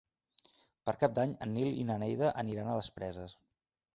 Per Cap d'Any en Nil i na Neida aniran a les Preses.